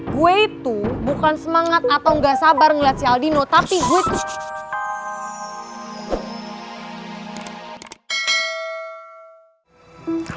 gue itu bukan semangat atau gak sabar ngeliat si aldino tapi gue tuh